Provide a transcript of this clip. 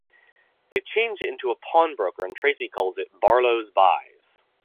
They change it into a pawnbroker and Tracy calls it "Barlow's Buys".